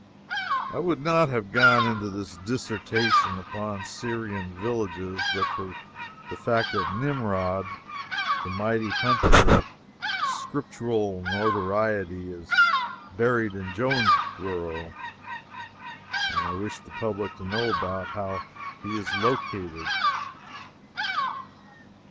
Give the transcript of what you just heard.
I would not have gone into this dissertation upon Syrian villages but for the fact that Nimrod, the Mighty Hunter of Scriptural notoriety, is buried in Jonesborough, and I wished the public to know about how he is located.